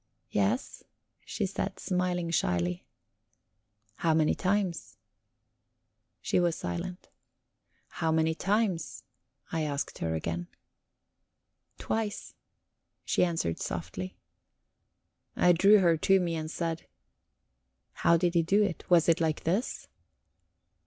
"Yes," she said, smiling shyly. "How many times?" She was silent. "How many times?" I asked her again. "Twice," she answered softly. I drew her to me and said: "How did he do it? Was it like this?"